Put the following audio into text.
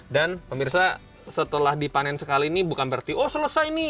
dan pemirsa setelah dipanen sekali ini bukan berarti oh selesai ini